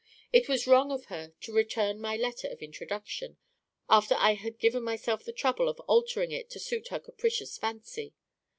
It was wrong of her to return my letter of introduction, after I had given myself the trouble of altering it to suit her capricious fancy.